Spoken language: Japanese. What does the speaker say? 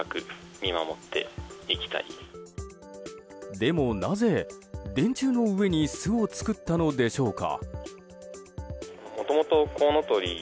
でも、なぜ電柱の上に巣を作ったのでしょうか？